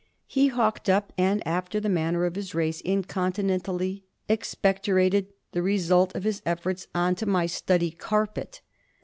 He hawked up, and, after the manner of his race, incontinentally ex pectorated the result of his efforts on to my study carpet.